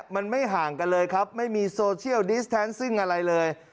มันไม่ห่างกันเลยครับไม่มีโซเชียลดิสแทนซิ่งอะไรเลย